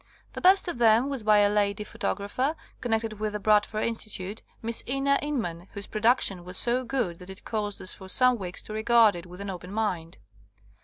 The best of them was by a lady photographer connected with the Bradford Institute, Miss Ina Inman, whose produc tion was so good that it caused us for some weeks to regard it with an open mind.